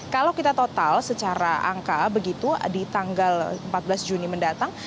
kalau kita total secara angka begitu di tanggal empat belas juni mendatang